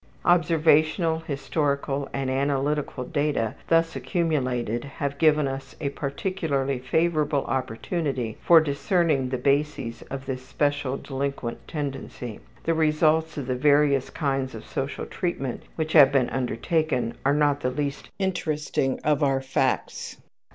Observational, historical, and analytical data thus accumulated have given us a particularly favorable opportunity for discerning the bases of this special delinquent tendency. The results of the various kinds of social treatment which have been undertaken are not the least interesting of our facts.